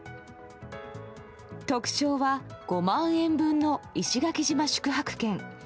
特賞は５万円分の石垣島宿泊券。